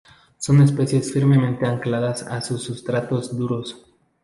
Son especies firmemente ancladas a sustratos duros.